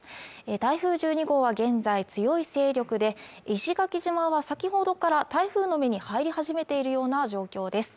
台風１２号は現在強い勢力で石垣島は先ほどから台風の目に入り始めているような状況です